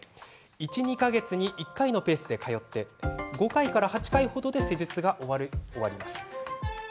１、２か月に１回のペースで通い５回から８回程で施術が終わります。